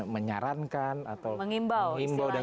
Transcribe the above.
menyarankan atau mengimbau dan